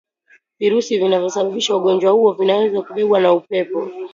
Virusi vinavyosababisha ugonjwa huo vinaweza kubebwa na upepo